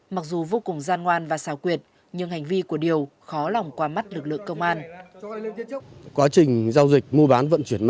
mặc dù vô cùng gian ngoan và xào quyệt nhưng hành vi của điều khó lòng qua mắt lực lượng công an